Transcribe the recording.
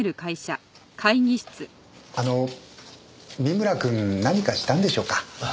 あの見村くん何かしたんでしょうか？